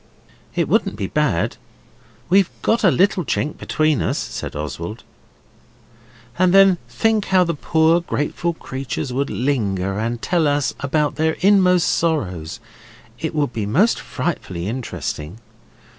'It wouldn't be bad. We've got a little chink between us,' said Oswald. 'And then think how the poor grateful creatures would linger and tell us about their inmost sorrows. It would be most frightfully interesting.